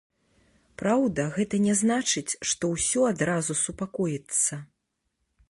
Праўда, гэта не значыць, што ўсё адразу супакоіцца.